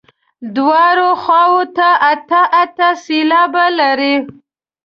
دواړو خواوو ته اته اته سېلابه لري.